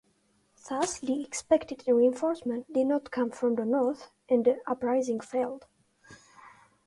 Thus the expected reinforcements did not come from the north and the uprising failed.